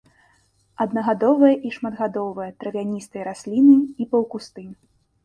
Аднагадовыя і шматгадовыя травяністыя расліны і паўкусты.